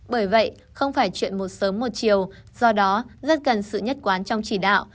bởi vậy không phải chuyện một sớm một chiều do đó rất cần sự nhất quán trong chỉ đạo